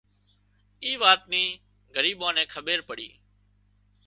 اي وات نِي ڳريٻان نين کٻير پڙي